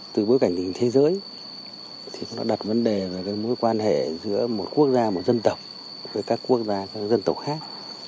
từ bối cảnh tình hình thế giới thì nó đặt vấn đề về mối quan hệ giữa một quốc gia một dân tộc với các quốc gia các dân tộc khác